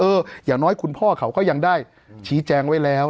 อย่างน้อยคุณพ่อเขาก็ยังได้ชี้แจงไว้แล้ว